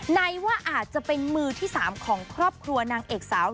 ในว่าอาจจะเป็นมือที่๓ของครอบครัวนางเอกสาว